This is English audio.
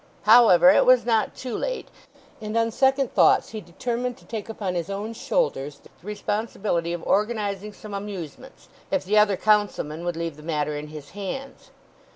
However, it was not too late; and on second thoughts he determined to take upon his own shoulders the responsibility of organizing some amusements, if the other Councilmen would leave the matter in his hands.